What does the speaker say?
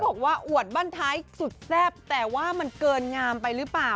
บอกว่าอวดบ้านท้ายสุดแซ่บแต่ว่ามันเกินงามไปหรือเปล่า